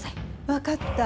分かった。